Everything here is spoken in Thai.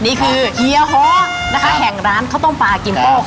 นี่คือเฮียฮอร์แห่งร้านข้าวต้มปลากินโป๊ก